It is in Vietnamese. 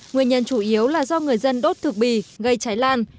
nguyên nhân chủ yếu là do người dân đốt thực bì gây cháy lan